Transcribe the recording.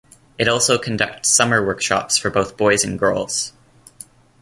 It also conducts summer workshops for both boys and girls.